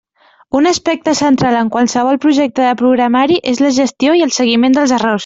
Un aspecte central en qualsevol projecte de programari és la gestió i el seguiment dels errors.